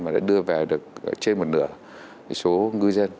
và đã đưa về được trên một nửa số ngư dân